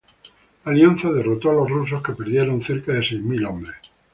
La alianza derrotó a los rusos, que perdieron cerca de seis mil hombres.